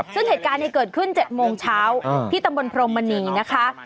ซึ่งเหตุการณ์นี้เกิดขึ้น๗โมงเช้าที่ตำบลพรมมณีนะคะ